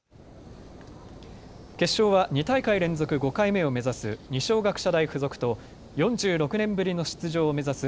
決勝は２大会連続５回目を目指す二松学舎大付属と４６年ぶりの出場を目指す